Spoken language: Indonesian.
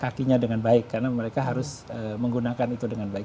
kakinya dengan baik karena mereka harus menggunakan itu dengan baik